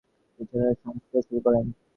তিনি স্বয়ম্ভূর সংস্কারকাজ শুরু করেন।